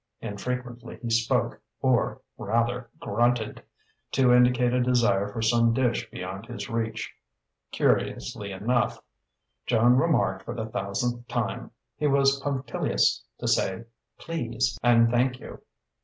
Infrequently he spoke or, rather, grunted, to indicate a desire for some dish beyond his reach. Curiously enough (Joan remarked for the thousandth time) he was punctilious to say "please" and "thank you."